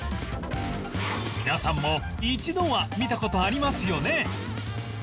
皆さんも一度は見た事ありますよね